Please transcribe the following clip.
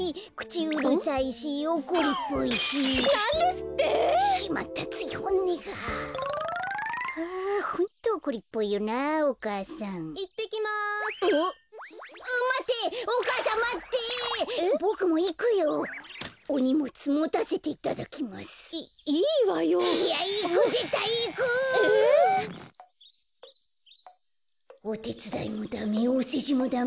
こころのこえおてつだいもダメおせじもダメ。